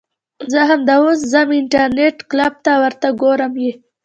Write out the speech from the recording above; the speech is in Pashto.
زه همدا اوس ځم انترنيټ کلپ ته درته ګورم يې .